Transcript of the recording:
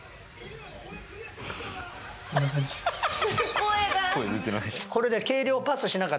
声が。